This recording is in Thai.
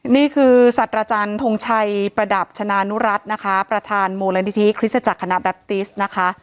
นี่คือสัตว์อาจารย์ทงชัยประดับชนะนุรัตินะคะประธานมูลนิธิคริสตจักรคณะแบปติสนะคะ